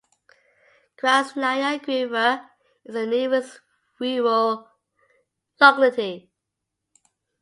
Krasnaya Griva is the nearest rural locality.